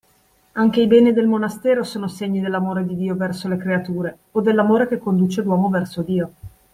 Anche i beni del monastero sono segni dell'amore di Dio verso le creature, o dell'amore che conduce l'uomo verso Dio;